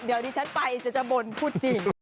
เดี๋ยวดิฉันไปจะบ่นพูดจริง